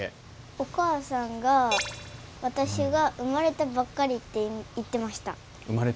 お母さんが私が生まれたばっかりって言ってました。